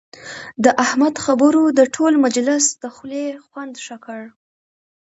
د احمد خبرو د ټول مجلس د خولې خوند ښه کړ.